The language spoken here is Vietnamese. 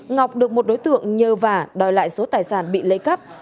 ngọc được một đối tượng nhờ và đòi lại số tài sản bị lây cắp